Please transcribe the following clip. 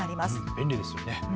便利ですよね。